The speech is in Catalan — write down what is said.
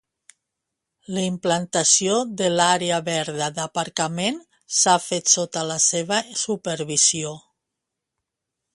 La implantació de l'àrea verda d'aparcament s'ha fet sota la seva supervisió.